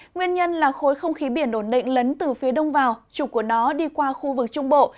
nguyên nhân là khối không khí biển ổn định lấn từ phía đông vào trục của nó đi qua khu vực trung bộ